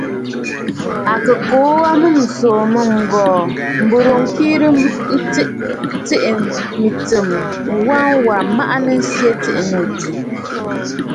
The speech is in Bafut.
À kɨ kuu wa a mûm ǹsòò mɨ̂ŋgɔ̀ɔ̀ m̀burə ŋkhɨrə tsiʼì mɨ̀tsɨm, ŋwa wà maʼanə a nsyɛ tiʼì nɨ àdì.